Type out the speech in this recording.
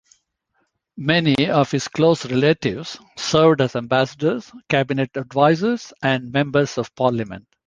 Many of his close relatives served as ambassadors, cabinet advisors, and members of parliament.